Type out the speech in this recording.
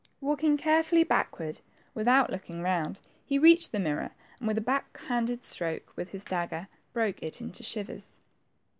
Walking carefully backward, without look ing round, he reached the mirror, and wil^h a back handed stroke with his dagger, broke it into shivers.